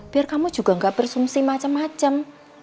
biar kamu juga enggak bersumsi macem macem